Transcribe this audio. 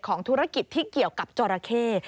ธุรกิจที่เกี่ยวกับจอราเข้